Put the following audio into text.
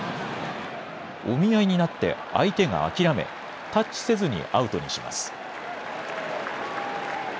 お見合いになって、相手が諦め、タッチせずにアウトにします。